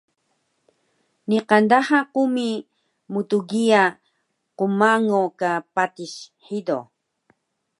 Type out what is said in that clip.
Niqan daha qumi mtgiya qmango ka patis hido